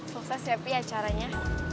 sukses siapi acaranya